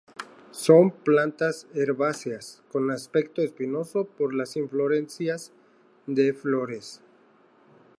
Son plantas herbáceas con aspecto espinoso por las inflorescencias de flores.